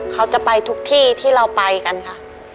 เขาจะไปทุกที่ที่เราไปกันค่ะ